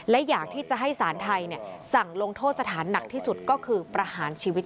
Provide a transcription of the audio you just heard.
และอยากที่จะให้สารไทยสั่งลงโทษสถานหนักที่สุดก็คือประหารชีวิต